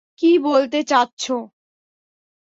কী বলতে চাচ্ছ?